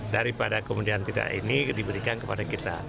daripada kemudian tidak ini diberikan kepada kita